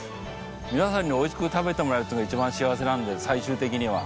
皆さんにおいしく食べてもらうっていうのが一番幸せなんで最終的には。